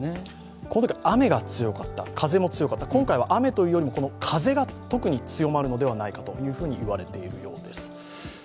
このときは雨も風も強かった雨というより、風が強まるのではないかといわれているようです。